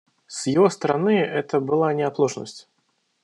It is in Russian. С его стороны это была не оплошность.